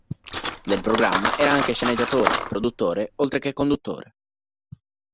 Del programma era anche sceneggiatore, produttore, oltre che conduttore.